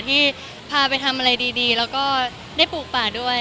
ที่พาไปทำอะไรดีแล้วก็ได้ปลูกป่าด้วย